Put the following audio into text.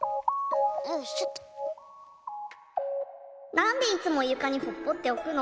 「なんでいつもゆかにほっぽっておくの？